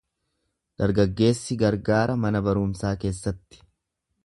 Dargaggeessi gargaara mana barumsaa keessatti.